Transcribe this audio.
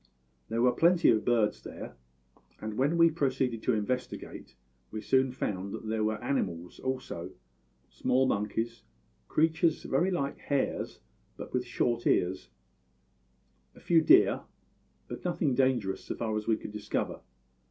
"There were plenty of birds there; and when we proceeded to investigate we soon found that there were animals also small monkeys, creatures very like hares but with short ears, a few deer; but nothing dangerous so far as we could discover.